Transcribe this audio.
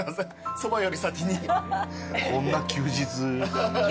そばより先に。